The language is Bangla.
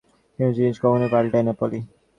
কিছু জিনিস কখনোই পাল্টায় না, পলি।